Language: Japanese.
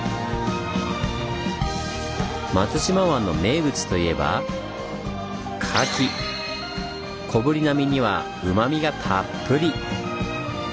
松島湾の名物といえば小ぶりな身にはうまみがたっぷり！